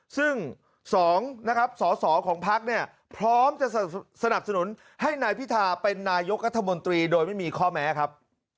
ซึ่ง๒นะครับสสของพักเนี่ยพร้อมจะสนับสนุนให้นายพิธาเป็นนายกรัฐมนตรีโดยไม่มีข้อแม้ครับ